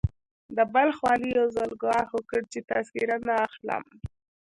د بلخ والي يو ځل ګواښ وکړ چې تذکره نه اخلم.